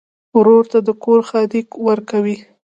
ورور ته د کور ښادي ورکوې.